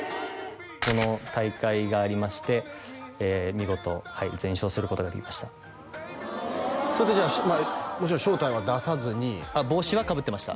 この大会がありまして見事全勝することができましたそれってもちろん正体は出さずに帽子はかぶってました